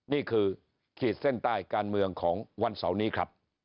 นี่คือขีดเส้นใต้การเมืองของวันเสาร์นี้ครับ